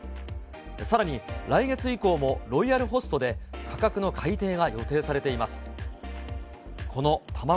さらに来月以降も、ロイヤルホストで価格の改定が予定されています。